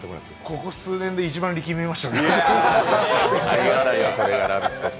ここ数年で一番、力みましたね。